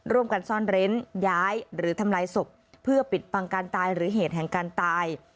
ร่วมกันซ่อนเร้นย้ายหรือทำลายศพเพื่อปิดบังการตายหรือเหตุแห่งการตาย